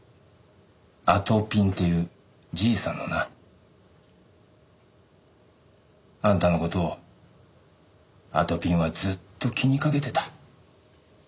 あとぴんっていうじいさんのな。あんたの事をあとぴんはずっと気にかけてた。